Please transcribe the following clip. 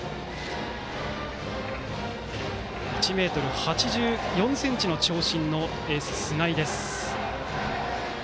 １ｍ８４ｃｍの長身のエース、菅井です。